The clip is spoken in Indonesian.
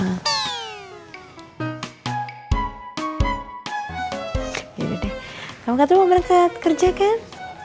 yaudah deh kamu gak tuh mau berangkat kerja kan